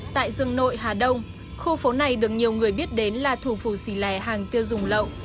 tại rừng nội hà đông khu phố này được nhiều người biết đến là thủ phủ xì lè hàng tiêu dùng lậu